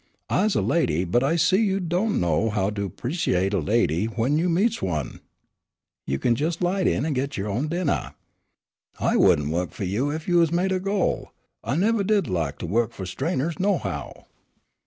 I's a lady, but I see you do' know how to 'preciate a lady w'en you meets one. You kin jes' light in an' git yo' own dinner. I wouldn't wo'k fu' you ef you uz made o' gol'. I nevah did lak to wo'k fu' strainers, nohow.